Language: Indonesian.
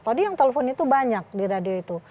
tadi yang telepon itu banyak di radio itu